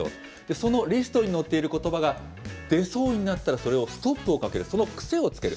そのリストに載っていることばが出そうになったら、それをストップをかける、その癖をつける。